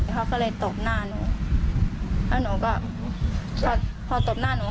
เขาก็เลยตบหน้าหนูแล้วหนูก็พอตบหน้าหนู